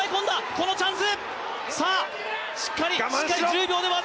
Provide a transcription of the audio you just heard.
このチャンス！